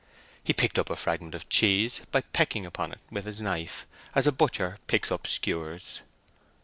He picked up a fragment of cheese, by pecking upon it with his knife, as a butcher picks up skewers.